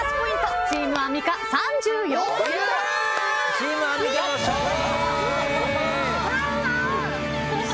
チームアンミカの勝利！